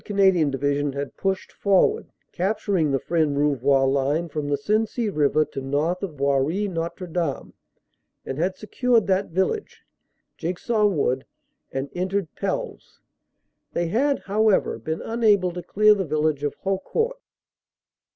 Canadian Division had pushed for ward, capturing the Fresnes Rouvroy line from the Sensee river to north of Boiry Notre Dame, and had secured that village, Jigsaw Wood and entered Pelves. They had, how ever, been unable to clear the village of Haucourt."